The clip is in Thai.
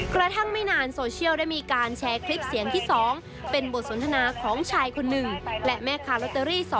กระทั่งไม่นานโซเชียลได้มีการแชร์คลิปเสียงที่๒